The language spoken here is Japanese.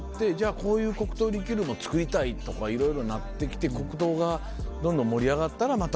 こういう黒糖リキュールも造りたいとかいろいろなってきて黒糖がどんどん盛り上がったらまた。